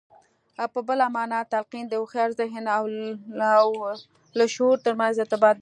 په بله مانا تلقين د هوښيار ذهن او لاشعور ترمنځ ارتباط دی.